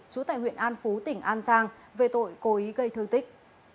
trú tại huyện an phú tỉnh an giang về tội cố ý gây thương tích